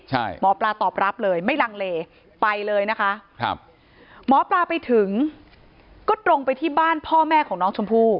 ใช่หมอปลาตอบรับเลยไม่ลังเลไปเลยนะคะครับหมอปลาไปถึงก็ตรงไปที่บ้านพ่อแม่ของน้องชมพู่